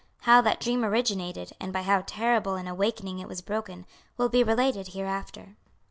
How that dream originated, and by how terrible an awakening it was broken, will be related hereafter.